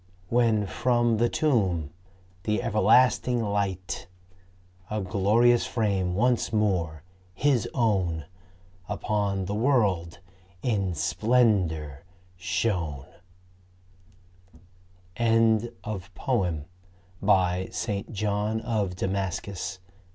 When from the tomb the everlasting Light, . A glorious frame once more His own, Upon the world in splendor shone. St. John of Damascus.